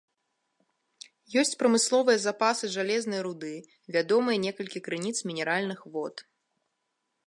Ёсць прамысловыя запасы жалезнай руды, вядомыя некалькі крыніц мінеральных вод.